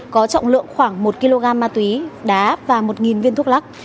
có trọng lượng khoảng một kg ma túy đá và một viên thuốc lắc